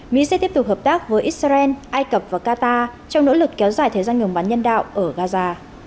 mỹ sẽ tiếp tục hợp tác với israel ai cập và qatar trong nỗ lực kéo dài thời gian ngừng bắn nhân đạo ở gaza